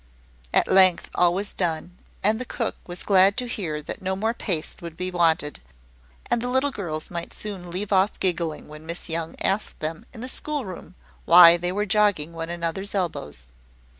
At length, all was done, and the cook was glad to hear that no more paste would be wanted, and the little girls might soon leave off giggling when Miss Young asked them, in the schoolroom, why they were jogging one another's elbows.